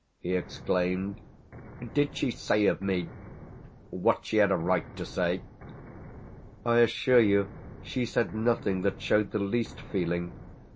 he exclaimed. "Did she say of me what she had a right to say?" "I assure you she said nothing that showed the least feeling.